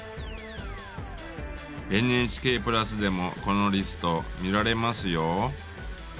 「ＮＨＫプラス」でもこのリスト見られますよ。